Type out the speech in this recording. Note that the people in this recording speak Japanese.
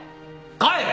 帰れ！